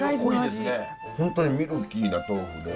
本当にミルキーな豆腐で。